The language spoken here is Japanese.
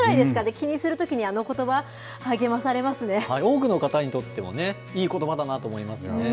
気にするときにあのことば、励ま多くの方にとってもね、いいことばだなと思いますよね。